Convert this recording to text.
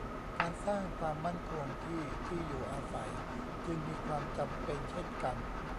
การสร้างความมั่นคงที่ที่อยู่อาศัยจึงมีความจำเป็นเช่นกัน